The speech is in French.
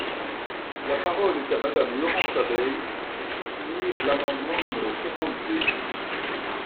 La parole est à Madame Laurence Abeille, pour soutenir l’amendement numéro soixante-deux.